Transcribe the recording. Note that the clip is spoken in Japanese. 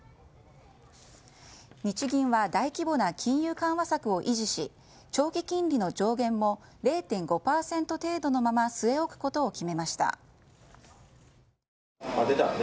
日銀は大規模な金融緩和策を維持し長期金利の上限も０．５％程度のまま据え置くことを決めました。